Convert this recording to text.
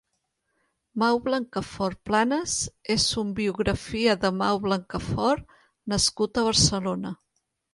Mau Blancafort Planas és un biografia de Mau Blancafort nascut a Barcelona.